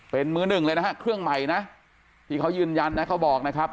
เป็นมื้อหนึ่งเลยนะฮะเครื่องใหม่นะที่เขายืนยันนะเขาบอกนะครับ